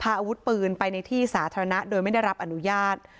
อาวุธปืนไปในที่สาธารณะโดยไม่ได้รับอนุญาต